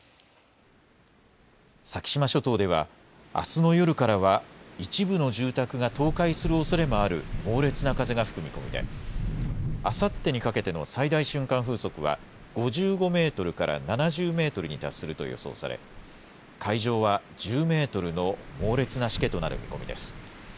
先島諸島では、あすの夜からは一部の住宅が倒壊するおそれもある猛烈な風が吹く見込みで、あさってにかけての最大瞬間風速は５５メートルから７０メートルに達すると予想され、海上は１０メートルの猛烈なしけとなる見込みです。